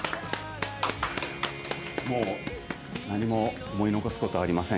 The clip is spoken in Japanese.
もう、何も思い残すことはありません。